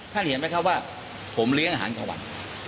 ท่านเห็นไหมคะว่าผมเลี้ยงอาหารกลางวัน